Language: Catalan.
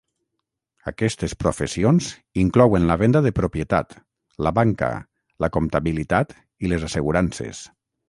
Aquestes professions inclouen la venda de propietat, la banca, la comptabilitat i les assegurances.